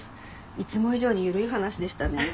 いつも以上にゆるい話でしたね。